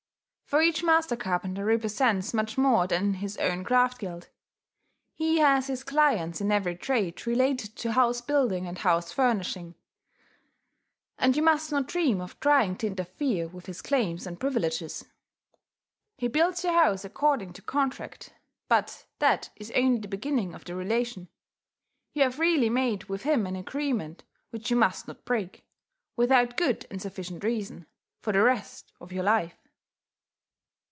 For each master carpenter represents much more than his own craft guild: he has his clients in every trade related to house building and house furnishing; and you must not dream of trying to interfere with his claims and privileges. He builds your house according to contract; but that is only the beginning of the relation. You have really made with him an agreement which you must not break, without good and sufficient reason, for the rest of your life.